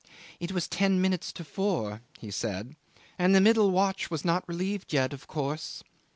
"It was ten minutes to four," he said, "and the middle watch was not relieved yet of course.